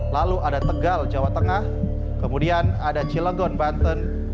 lalu ada tegal jawa tengah kemudian ada cilegon banten